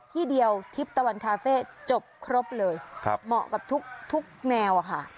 ที่เดียวทิพย์ตะวันคาเฟ่จบครบเลยเหมาะกับทุกแนวอะค่ะ